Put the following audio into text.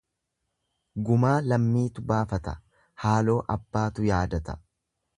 Gumaa lammiitu baafata haaloo abbaatu yaadata.